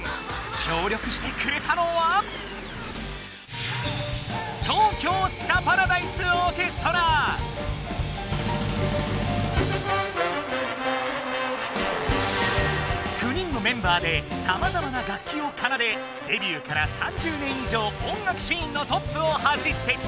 きょうりょくしてくれたのは９人のメンバーでさまざまな楽器を奏でデビューから３０年以上音楽シーンのトップを走ってきた！